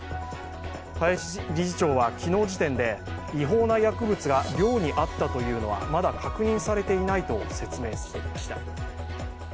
林理事長は昨日時点で違法な薬物が寮にあったというのはまだ確認されていないと説明していました。